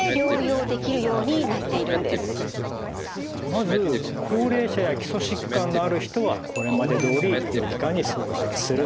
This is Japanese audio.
まず高齢者や基礎疾患のある人はこれまでどおり医療機関に相談する。